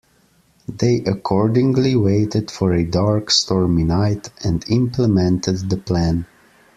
They accordingly waited for a dark, stormy night, and implemented the plan.